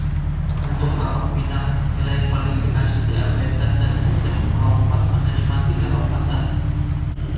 Untuk babak final, nilai kualifikasi diabaikan dan setiap pelompat menerima tiga lompatan.